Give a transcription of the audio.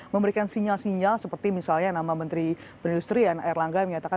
memberikan sinyal sinyal seperti misalnya nama menteri penelusuri yang erlangga mengatakan